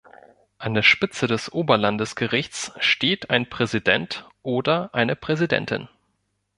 An der Spitze des Oberlandesgerichts steht ein Präsident oder eine Präsidentin.